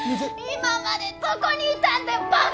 今までどこにいたんだよバカ！